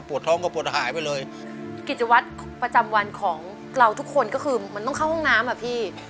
ท้องก็ปวดหายไปเลยกิจวัตรประจำวันของเราทุกคนก็คือมันต้องเข้าห้องน้ำอ่ะพี่